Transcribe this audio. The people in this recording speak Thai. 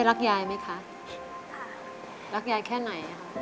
เอ๊รักยายไหมคะรักยายแค่ไหน